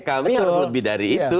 kami harus lebih dari itu